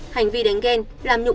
hành vi đánh ghen làm nhục